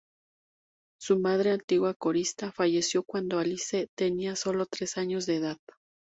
Su madre, antigua corista, falleció cuando Alice tenía solo tres años de edad.